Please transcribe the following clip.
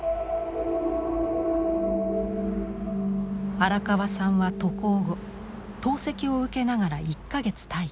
荒川さんは渡航後透析を受けながら１か月待機。